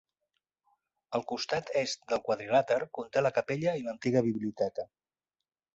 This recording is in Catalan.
El costat est del quadrilàter conté la capella i l'antiga biblioteca.